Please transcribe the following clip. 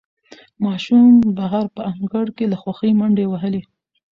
ماشوم بهر په انګړ کې له خوښۍ منډې وهلې